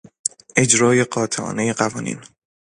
اجرای قاطعانهی قوانین